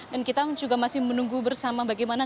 dan kita juga masih menunggu bersama bagaimana